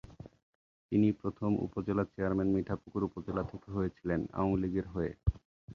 তিনি প্রথম উপজেলা চেয়ারম্যান মিঠাপুকুর উপজেলা থেকে হয়েছিল আওয়ামীলীগের হয়ে